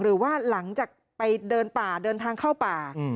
หรือว่าหลังจากไปเดินป่าเดินทางเข้าป่า